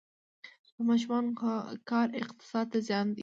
د ماشومانو کار اقتصاد ته زیان دی؟